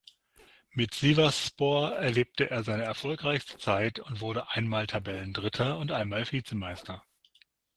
Mit Sivasspor erlebte er seine erfolgreichste Zeit und wurde einmal Tabellendritter und einmal Vizemeister.